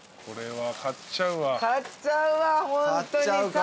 これは買っちゃうわ。